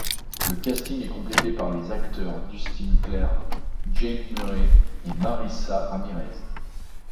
Le casting est complété par les acteurs Dustin Clare, Jaime Murray et Marisa Ramirez.